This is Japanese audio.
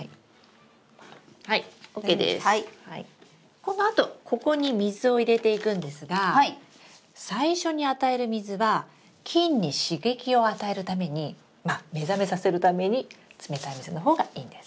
このあとここに水を入れていくんですが最初に与える水は菌に刺激を与えるためにまあ目覚めさせるために冷たい水の方がいいんです。